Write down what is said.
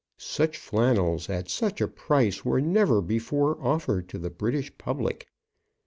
Such flannels, at such a price, were never before offered to the British public.